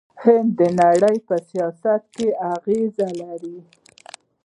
هند د نړۍ په سیاست کې غږ لري.